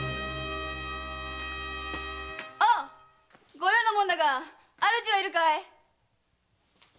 御用の者だが主はいるかい？